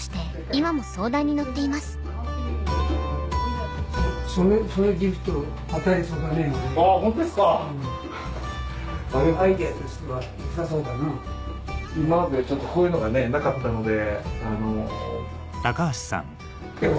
今までちょっとこういうのがなかったので。